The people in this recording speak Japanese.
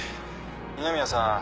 二宮さん